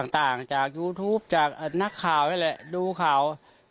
ต่างจากยูทูปจากนักข่าวนี่แหละดูข่าว